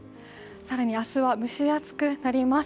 更に明日は蒸し暑くなります。